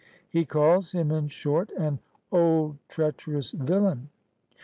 He calls him in short ^'an old, treacherous villain."